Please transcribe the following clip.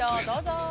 どうぞ。